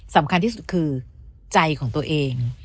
สำคัญที่สุดคือใจของตัวเอง